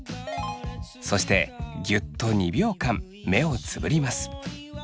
そしてギュッと２秒間目をつぶります。